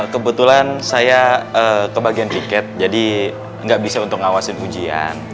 kebetulan saya kebagian tiket jadi nggak bisa untuk ngawasin ujian